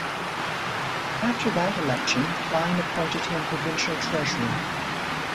After that election Klein appointed him Provincial Treasurer.